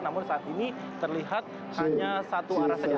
namun saat ini terlihat hanya satu arah saja